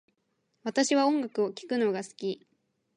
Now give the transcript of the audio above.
私は音楽を聴くのが好き